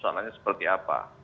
soalnya seperti apa